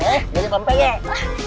hah jadi pempenyek